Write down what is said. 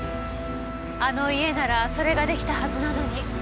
あの家ならそれが出来たはずなのに。